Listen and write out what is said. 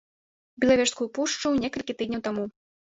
Белавежскую пушчу некалькі тыдняў таму.